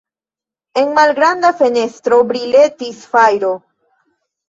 En malgranda fenestro briletis fajro.